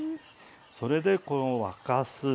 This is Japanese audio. それでこの沸かす。